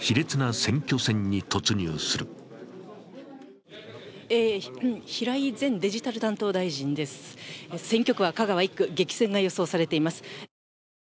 選挙区は香川１区、激戦が予想されています。